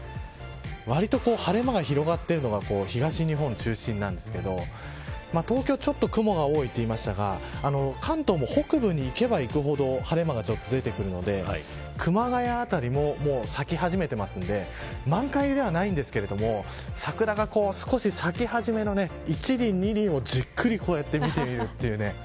割と晴れ間が広がっているのが東日本中心なんですが東京はちょっと雲が多いと言いましたが関東も北部に行けば行くほど晴れ間が出てくるので熊谷辺りも咲き始めてますので満開ではないんですが桜が少し咲き始めの１輪２輪をじっくり見てみるという。